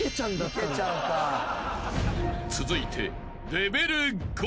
［続いて］